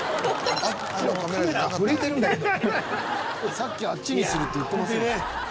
「さっきあっちにするって言ってませんでした？」